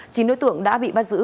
chín đối tượng đã bị bắt giữ